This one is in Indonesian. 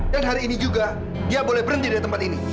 dan hari ini juga dia boleh berhenti di tempat ini